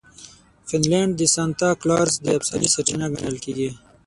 فنلنډ د سانتا کلاز د افسانې سرچینه ګڼل کیږي.